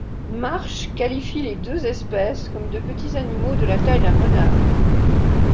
Marsh qualifie les deux espèces comme de petits animaux de la taille d'un renard.